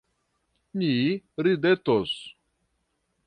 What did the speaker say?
Ni ridetos.